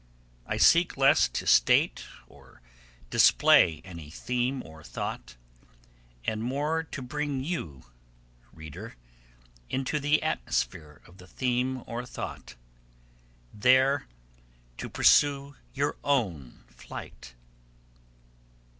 I seek less to state or display any theme or thought, and more to bring you, reader, into the atmosphere of the theme or thought there to pursue your own flight.